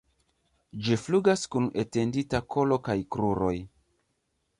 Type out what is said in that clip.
Ĝi flugas kun etendita kolo kaj kruroj.